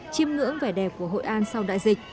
chim ngưỡng vẻ đẹp của hội an sau đại dịch